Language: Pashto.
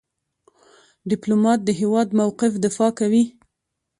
ډيپلومات د هیواد موقف دفاع کوي.